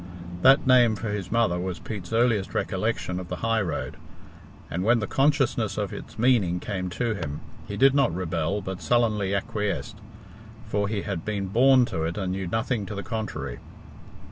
That name for his mother was Pete's earliest recollection of the high road, and when the consciousness of its meaning came to him, he did not rebel, but sullenly acquiesced, for he had been born to it and knew nothing to the contrary.